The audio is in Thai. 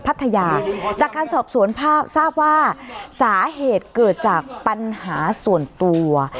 ศาธิบาลในการสอบสวนทราบทราบว่าสาเหตุเกิดจากปัญหาส่วนตัว